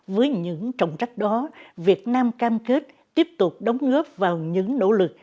với những trọng trách đó việt nam cam kết tiếp tục đóng góp vào những nỗ lực